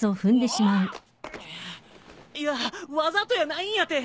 いやあわざとやないんやて。